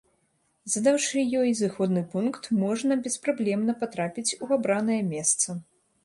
Задаўшы ёй зыходны пункт можна беспраблемна патрапіць у абранае месца.